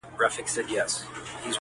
مضمون د شرافت دي په معنا لوستلی نه دی,